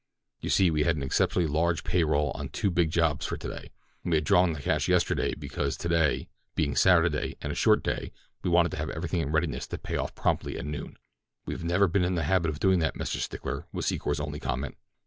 You see, we had an exceptionally large pay roll on two big jobs for today, and we had drawn the cash yesterday because today, being Saturday, and a short day, we wanted to have everything in readiness to pay off promptly at noon." "We've never been in the habit of doing that, Mr. Stickler," was Secor's only comment.